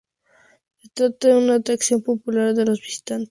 Se trata de una atracción popular para los visitantes.